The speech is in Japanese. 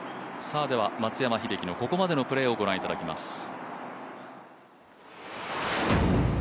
松山英樹のここまでのプレーをご覧いただきます。